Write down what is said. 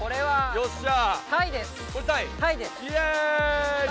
よっしゃ！